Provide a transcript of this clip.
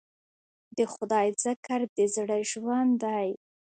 د خدای ذکر د زړه ژوند دی.